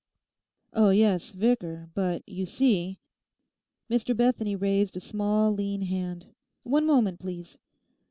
'Oh yes, Vicar; but you see—' Mr Bethany raised a small lean hand: 'One moment, please.